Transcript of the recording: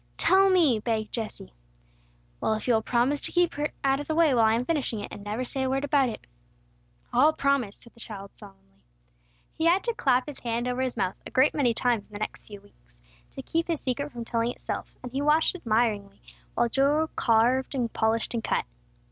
"Tell me!" begged Jesse. "Well, if you will promise to keep her out of the way while I am finishing it, and never say a word about it " "I'll promise," said the child, solemnly. He had to clap his hand over his mouth a great many times in the next few weeks, to keep his secret from telling itself, and he watched admiringly while Joel carved and polished and cut.